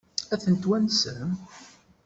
Ad ten-twansem?